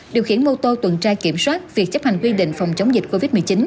điều khiển mô tô tuần tra kiểm soát việc chấp hành quy định phòng chống dịch covid một mươi chín